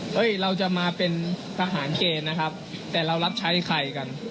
เราจะมาเป็นทหารเกณฑ์นะครับแต่เรารับใช้ใครกัน